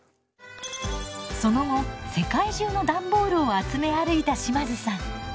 その後世界中の段ボールを集め歩いた島津さん。